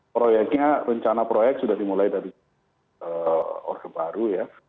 proyeknya rencana proyek sudah dimulai dari orde baru ya